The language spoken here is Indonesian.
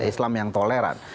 islam yang toleran